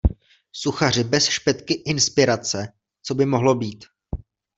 Suchaři bez špetky inspirace co by mohlo být.